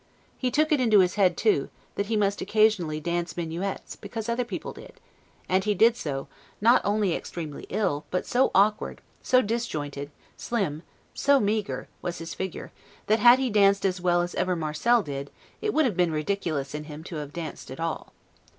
He took it into his head too, that he must occasionally dance minuets, because other people did; and he did so, not only extremely ill, but so awkward, so disjointed, slim, so meagre, was his figure, that had he danced as well as ever Marcel did, it would have been ridiculous in him to have danced at all.